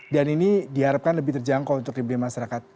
dan ini diharapkan lebih terjangkau untuk diberi masyarakat